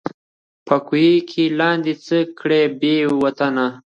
په کوهي کي لاندي څه کړې بې وطنه